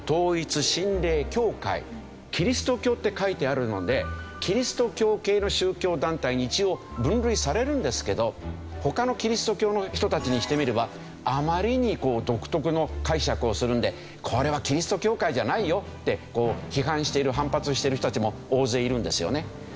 「基督教」って書いてあるのでキリスト教系の宗教団体に一応分類されるんですけど他のキリスト教の人たちにしてみればあまりに独特の解釈をするのでこれはキリスト教会じゃないよって批判している反発している人たちも大勢いるんですよね。